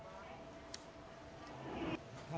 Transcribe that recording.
หรืออะไรดีครับ